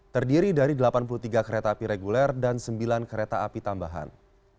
terdiri dari delapan puluh tiga kereta api reguler dan sembilan kereta api tambahan